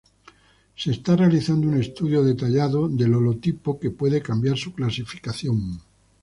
Se está realizando un estudio detallado del holotipo que puede cambiar su clasificación.